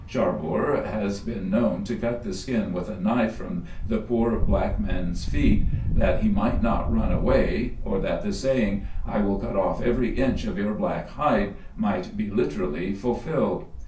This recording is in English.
Charbour has been known to cut the skin with a knife from the poor black man's feet, that he might not run away, or that the saying, " I will cut off every inch of your black hide," might be literally fulfilled.